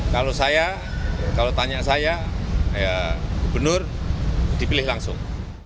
kalau saya kalau tanya saya ya gubernur dipilih langsung